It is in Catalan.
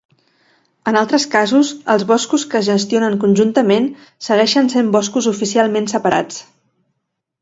En altres casos, els boscos que es gestionen conjuntament segueixen sent boscos oficialment separats.